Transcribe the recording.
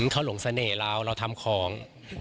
เขาหลงเสน่ห์เราเราทำของ